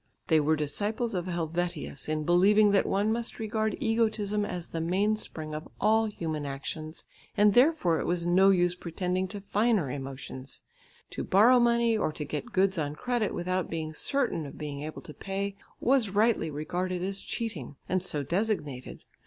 They were disciples of Helvetius in believing that one must regard egotism as the mainspring of all human actions, and therefore it was no use pretending to finer emotions. To borrow money or to get goods on credit without being certain of being able to pay, was rightly regarded as cheating, and so designated.